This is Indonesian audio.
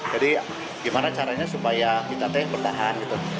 jadi gimana caranya supaya kita teh berdahan gitu